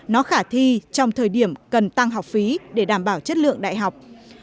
nó khả thi trong thời điểm cần tăng học phí để đảm bảo chất lượng đại học